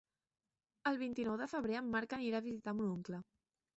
El vint-i-nou de febrer en Marc anirà a visitar mon oncle.